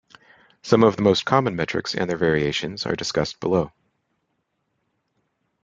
Some of the most common metrics and their variations are discussed below.